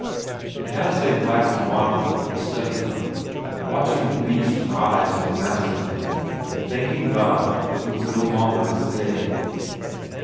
And as they waxed maudlin he studied them, watching the beast rise and master them and thanking God that he was no longer as they.